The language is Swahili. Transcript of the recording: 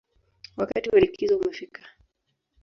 Wakati wa likizo umefika